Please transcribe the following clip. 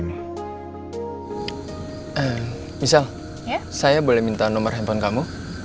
misal saya boleh minta nomor handphone kamu